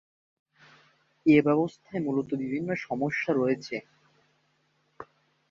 এই ব্যবস্থায় মূলত বিভিন্ন সমস্যা রয়েছে।